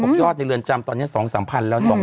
ยอดในเรือนจำตอนนี้๒๓พันแล้วเนี่ย